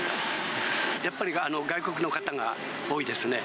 やっぱり外国の方が多いですね。